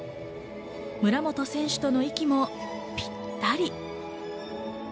村元選手との息もぴったり。